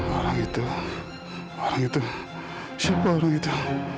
orang itu orang itu siapa orang itu